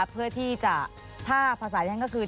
เพื่อที่จะถ้าภาษาที่ฉันก็คือ